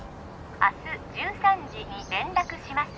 明日１３時に連絡します